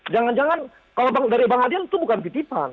jangan jangan kalau dari bang adian itu bukan titipan